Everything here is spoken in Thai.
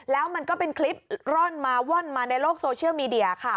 แล้วมันก็เป็นคลิปร่อนมาว่อนมาในโลกโซเชียลมีเดียค่ะ